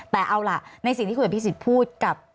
แต่เอาล่ะในสิ่งที่คุณอภิษฎพูดกับ